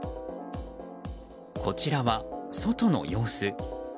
こちらは外の様子。